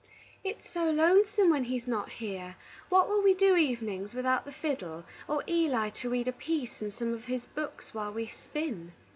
"It's so lonesome when he's not here. What will we do evenings without the fiddle, or Eli to read a piece in some of his books while we spin?"